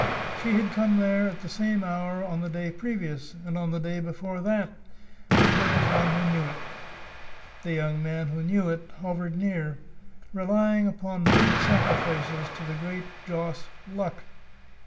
She had come there at the same hour on the day previous, and on the day before that; and there was one who knew it. The young man who knew it hovered near, relying upon burnt sacrifices to the great joss, Luck.